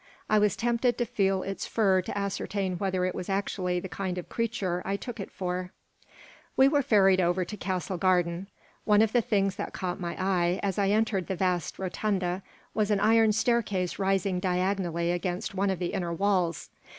I was tempted to feel its fur to ascertain whether it was actually the kind of creature I took it for We were ferried over to Castle Garden. One of the things that caught my eye as I entered the vast rotunda was an iron staircase rising diagonally against one of the inner walls.